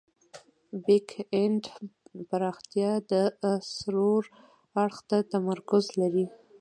بیک اینډ پراختیا د سرور اړخ ته تمرکز لري.